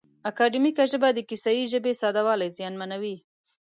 اکاډیمیکه ژبه د کیسه یي ژبې ساده والی زیانمنوي.